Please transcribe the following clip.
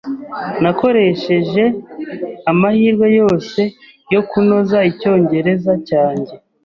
Nakoresheje amahirwe yose yo kunoza icyongereza cyanjye.